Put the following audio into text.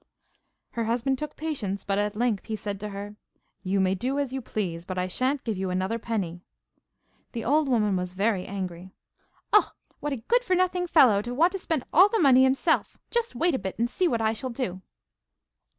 Her husband took patience, but at length he said to her: 'You may do as you please, but I sha'n't give you another penny.' The old woman was very angry. 'Oh, what a good for nothing fellow to want to spend all the money himself! But just wait a bit and see what I shall do.